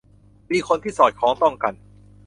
มีคนที่สอดคล้องต้องกัน